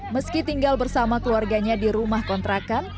meski tinggal bersama keluarganya di rumah kontrakan